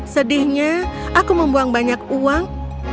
sedihnya aku membuang banyak uang